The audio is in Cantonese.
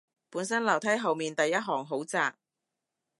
本身樓梯後面第一行好窄